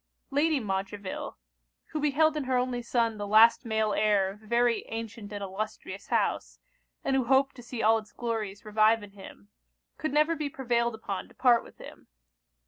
Lady Montreville, who beheld in her only son the last male heir of a very ancient and illustrious house, and who hoped to see all its glories revive in him, could never be prevailed upon to part with him.